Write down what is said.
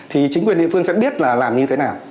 thì chính quyền địa phương sẽ biết là làm như thế nào